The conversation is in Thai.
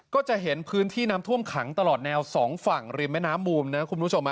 ก็จะเห็นพื้นที่น้ำท่วมขังตลอดแนวสองฝั่งริมแม่น้ำมูมนะคุณผู้ชม